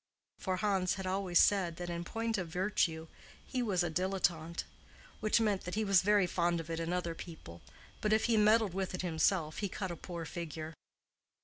For Hans had always said that in point of virtue he was a dilettante: which meant that he was very fond of it in other people, but if he meddled with it himself he cut a poor figure.